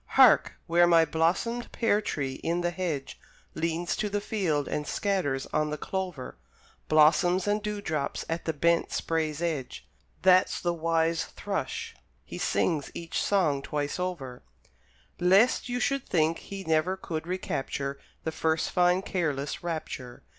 Hark! where my blossomed pear tree in the hedge Leans to the field and scatters on the clover Blossoms and dewdrops at the bent spray's edge That's the wise thrush; he sings each song twice over, Lest you should think he never could recapture The first fine careless rapture!